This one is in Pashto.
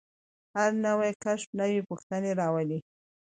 هر نوی کشف نوې پوښتنې راولي.